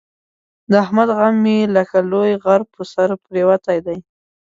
د احمد غم مې لکه لوی غر په سر پرېوتی دی.